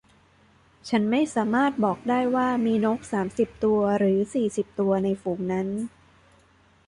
ฉันไม่สามารถบอกได้ว่ามีนกสามสิบตัวหรือสี่สิบตัวในฝูงนั้น